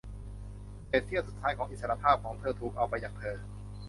เศษเสี้ยวสุดท้ายของอิสรภาพของเธอถูกเอาไปจากเธอ